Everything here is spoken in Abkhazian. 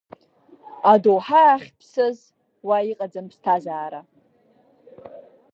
Адоуҳа ахьԥсыз уа иҟаӡам ԥсҭазаара.